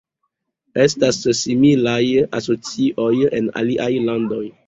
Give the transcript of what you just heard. Estas similaj asocioj en aliaj landoj.